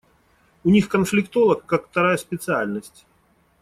У них конфликтолог как вторая специальность.